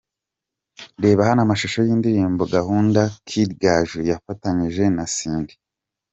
Reba hano amashusho y'indirimbo'Gahunda' Kid Gaju yafatanyije na Cindy.